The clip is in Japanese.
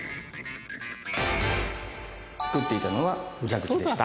作っていたのは蛇口でした。